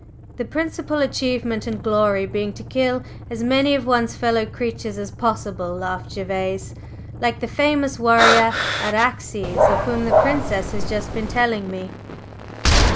"The principal achievement and glory being to kill as many of one's fellow creatures as possible!" laughed Gervase "Like the famous warrior, Araxes, of whom the Princess has just been telling me!"